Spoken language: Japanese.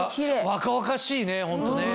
若々しいねホントね。